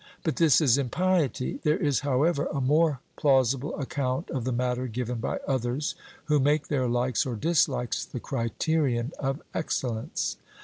But this is impiety. There is, however, a more plausible account of the matter given by others, who make their likes or dislikes the criterion of excellence.